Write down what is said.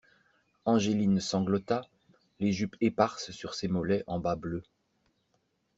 Angeline sanglota, les jupes éparses sur ses mollets en bas bleus.